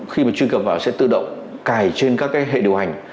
khi mà truy cập vào sẽ tự động cài trên các cái hệ điều hành